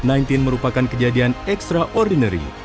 pembangunan kemampuan bayar korporasi dan kemampuan bayar korporasi